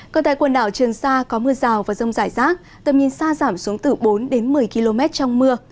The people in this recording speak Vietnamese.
còn tại quần đảo trường sa có mưa rào và rông rải rác tầm nhìn xa giảm xuống từ bốn đến một mươi km trong mưa